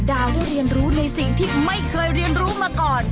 ดาวได้เรียนรู้ในสิ่งที่ไม่เคยเรียนรู้มาก่อน